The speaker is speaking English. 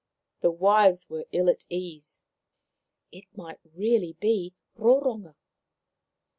The wives were ill at ease. It might really be Roronga.